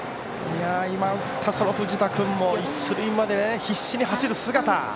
今、藤田君の一塁まで必死に走る姿。